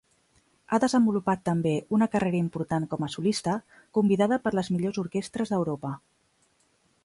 Ha desenvolupat també una carrera important com a solista, convidada per les millors orquestres d'Europa.